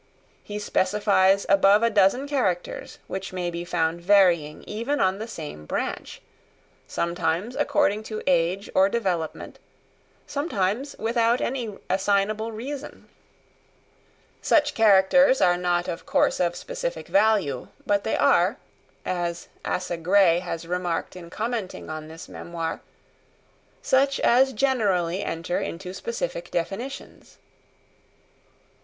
He specifies above a dozen characters which may be found varying even on the same branch, sometimes according to age or development, sometimes without any assignable reason. Such characters are not of course of specific value, but they are, as Asa Gray has remarked in commenting on this memoir, such as generally enter into specific definitions.